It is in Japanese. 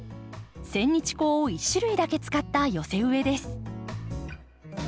センニチコウを１種類だけ使った寄せ植えです。